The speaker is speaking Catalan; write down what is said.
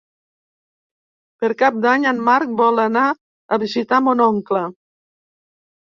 Per Cap d'Any en Marc vol anar a visitar mon oncle.